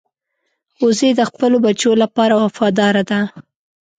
وزې د خپلو بچو لپاره وفاداره ده